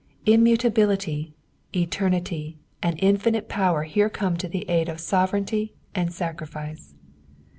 '" Immutability, eternity, and infinite power here come to the aid of sovereignty and sacrifice.